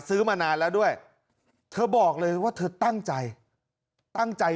ซื้อมานานแล้วด้วยเธอบอกเลยว่าเธอตั้งใจ